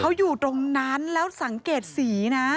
เขาอยู่ตรงนั้นแล้วสังเกตสีนะ